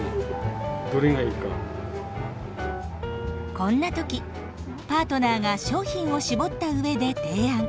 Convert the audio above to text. こんな時パートナーが商品を絞った上で提案。